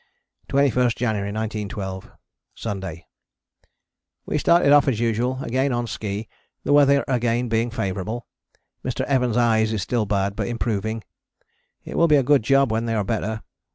21st January 1912. Sunday: We started off as usual, again on ski, the weather again being favourable. Mr. Evans' eyes is still bad, but improving. It will be a good job when they are better.